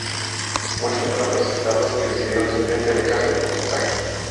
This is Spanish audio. Muchos fueron procesados y recibieron sentencia de cárcel por sus actos.